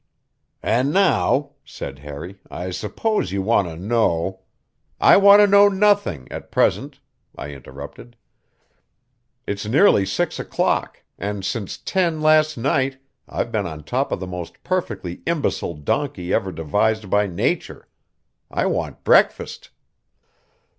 "And now," said Harry, "I suppose you want to know " "I want to know nothing at present," I interrupted. "It's nearly six o'clock, and since ten last night I've been on top of the most perfectly imbecile donkey ever devised by nature. I want breakfast."